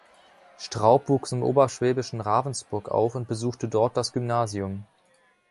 Straub wuchs im oberschwäbischen Ravensburg auf und besuchte dort das Gymnasium.